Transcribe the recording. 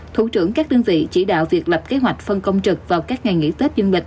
thủ trưởng các đơn vị chỉ đạo việc lập kế hoạch phân công trực vào các ngày nghỉ tết dương lịch